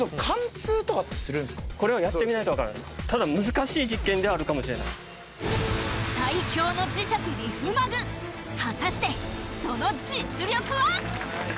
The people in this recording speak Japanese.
これはやってみないとわからないただ難しい実験ではあるかもしれない最強の磁石リフマグ果たしてその実力は？